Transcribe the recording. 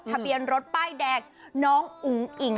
ทะเบียนรถป้ายแดงน้องอุ๋งอิ่ง